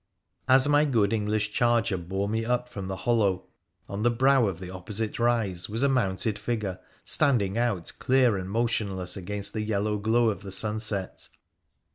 As my good English charger bore me up from the hollow, on the brow of the opposite rise was a mounted figure standing out clear and motionless against the yellow glow of the sunset.